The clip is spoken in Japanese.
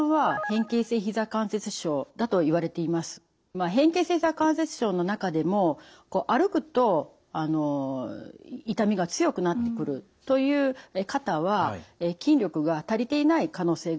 変形性ひざ関節症の中でも歩くと痛みが強くなってくるという方は筋力が足りていない可能性があります。